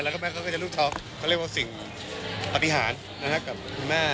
แล้วก็แม่เขาก็จะลูกเขาเรียกว่าสิ่งปฏิหารนะครับกับคุณแม่